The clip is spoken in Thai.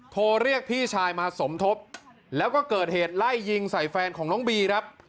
โทรเรียกพี่ชายมาสมทบแล้วก็เกิดเหตุไล่ยิงใส่แฟนของน้องบีครับ